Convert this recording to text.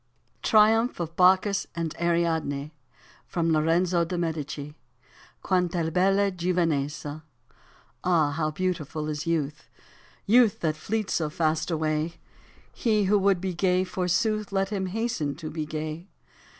71 TRIUMPH OF BACCHUS AND ARIADNE. FROM LORENZO DI MBDICI. " Quant* h bella giovinezza." AH, how beautiful is youth, Youth that fleets so fast away 1 He who would be gay, forsooth. Let him hasten to be gay